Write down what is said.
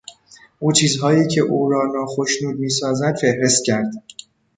او چیزهایی که او را ناخشنود میسازد فهرست کرد.